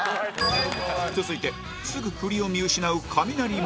続いてすぐ振りを見失うカミナリまなぶ